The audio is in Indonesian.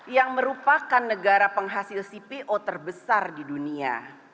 yang merupakan negara penghasil cpo terbesar di dunia